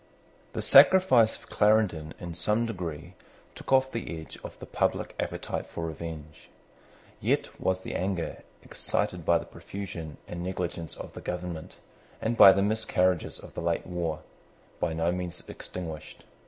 The sacrifice of Clarendon in some degree took off the edge of the public appetite for revenge. Yet was the anger excited by the profusion and negligence of the government, and by the miscarriages of the late war, by no means extinguished.